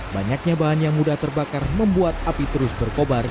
banyaknya bahan yang mudah terbakar membuat api terus berkobar